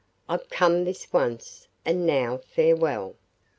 I've come this once, and now farewell.